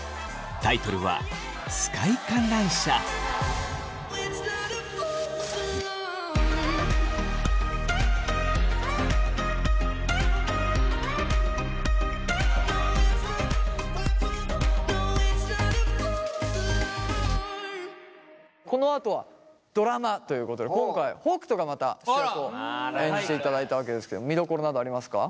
タイトルはこのあとはドラマということで今回北斗がまた主役を演じていただいたわけですけど見どころなどありますか？